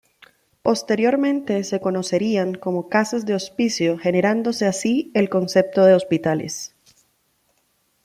Posteriormente se conocerían como casas de Hospicio generándose así el concepto de hospitales.